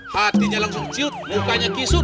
hatinya langsung ciut mukanya kisup